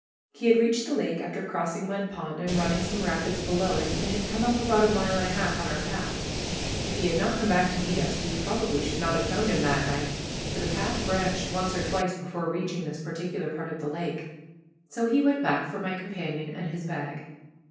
He had reached the lake after crossing Mud Pond and running some rapids below it, and had come up about a mile and a half on our path. If he had not come back to meet us, we probably should not have found him that night, for the path branched once or twice before reaching this particular part of the lake. So he went back for my companion and his bag.